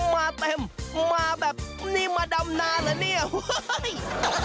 มาเต็มมาแบบนี้มาดำหนาเหรอนี่